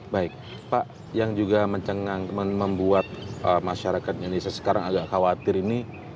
baik pak yang juga mencengang membuat masyarakat indonesia sekarang agak khawatir ini